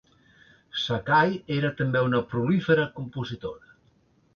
Sakai era també una prolífera compositora.